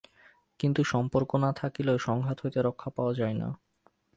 কিন্তু সম্পর্ক না থাকিলেও সংঘাত হইতে রক্ষা পাওয়া যায় না।